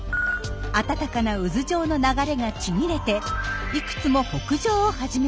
温かな渦状の流れがちぎれていくつも北上を始めました。